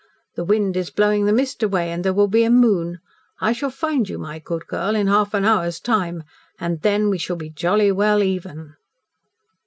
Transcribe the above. The wind is blowing the mist away, and there will be a moon. I shall find you, my good girl, in half an hour's time and then we shall be jolly well even."